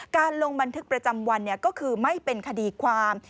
การลงบันทึกประจำวันก็คือไม่เป็นคดีความ